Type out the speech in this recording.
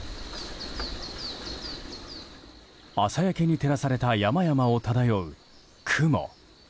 朝焼けに照らされた山々を漂う雲。